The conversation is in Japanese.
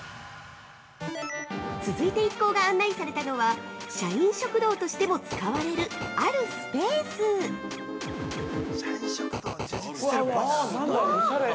続いて一行が案内されたのは社員食堂としても使われるあるスペース！◆おしゃれ。